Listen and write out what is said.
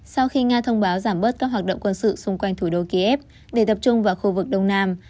sau khi nga thông báo giảm bớt các hoạt động quân sự xung quanh thủ đô kiev để tập trung vào khu vực đông nam